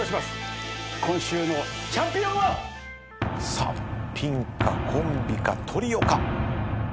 さあピンかコンビかトリオか。